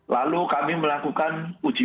lalu kami melakukan uji